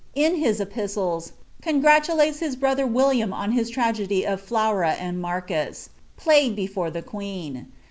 in his epistles, congratulates his brother William on his tragedy "t FUura and Marcus, played before the queen.